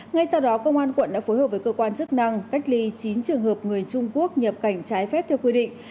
ngay sau đó công an quận đã phối hợp với cơ quan chức năng cách ly chín trường hợp người trung quốc nhập cảnh trái phép theo quy định